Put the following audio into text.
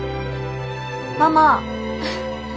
ママ。